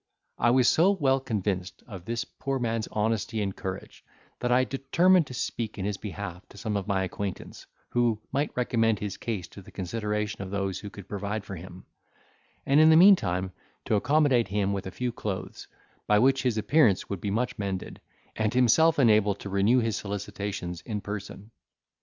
I was so well convinced of this poor man's honesty and courage, that I determined to speak in his behalf to some of my acquaintance, who might recommend his case to the consideration of those who could provide for him; and in the meantime to accommodate him with a few clothes, by which his appearance would be much mended, and himself enabled to renew his solicitations in person.